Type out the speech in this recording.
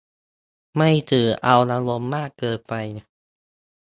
ไม่ถือเอาอารมณ์มากเกินไป